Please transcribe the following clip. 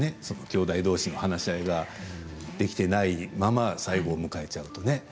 その、きょうだいどうしの話し合いができてないまま最期を迎えちゃうとね。